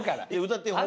歌ってよ